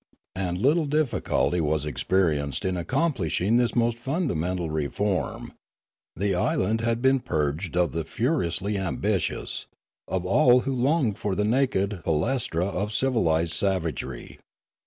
And little difficulty was ex perienced in accomplishing this most fundamental reform ; the island had been purged of the furiously ambitious, of all who longed for the naked palaestra of civilised savagery.